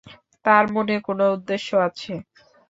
তাঁর মনে কোনো উদ্দেশ্য আছে।